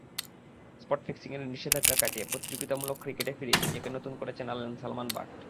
Spot ফিক্সিংয়ের নিষেধাজ্ঞা কাটিয়ে প্রতিযোগিতামূলক ক্রিকেটে ফিরেই নিজেকে নতুন করে চেনালেন সালমান বাট।